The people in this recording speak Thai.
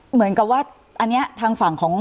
เหมือนกับว่าอันนี้ทางฝั่งของ